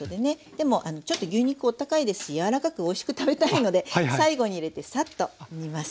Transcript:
でもちょっと牛肉お高いですし柔らかくおいしく食べたいので最後に入れてさっと煮ます。